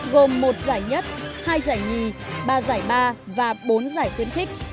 gồm một giải nhất hai giải nhì ba giải ba và bốn giải tuyến thích